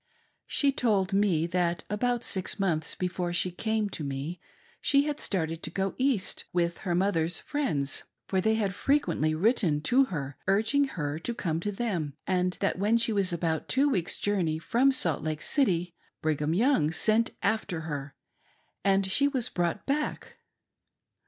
She told me, that about six months before she came to me, she had started to go east, to her mother's friends, for they had frequently written to her urging her to come to them, and that when she was about two weeks' journey from Salt Lake City, Brigham Young sent after her, and she was brought back.